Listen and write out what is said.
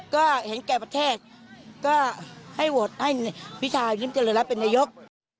ก็เห็นแก่ประแทกก็ให้โหวตให้พิชาภิมศ์เจริญรับเป็นระยุกต์